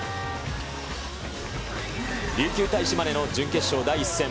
琉球対島根の準決勝第１戦。